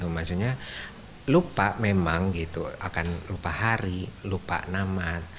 maksudnya lupa memang gitu akan lupa hari lupa nama